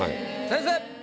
先生！